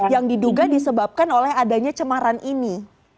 yang diduga disebabkan oleh adanya cemaran ini